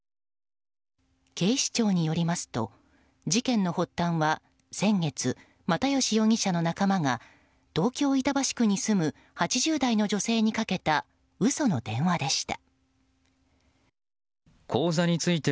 警視庁によりますと事件の発端は先月又吉容疑者の仲間が東京・板橋区に住む８０代の女性にかけた嘘の電話でした。